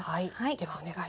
はい。